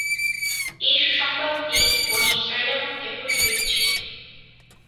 এ সুসংবাদটি বনী ইসরাঈলের মধ্যে প্রচলিত ছিল।